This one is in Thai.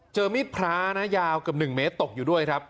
มีดพระนะยาวเกือบ๑เมตรตกอยู่ด้วยครับ